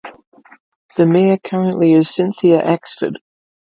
The mayor currently is Cynthia Axford.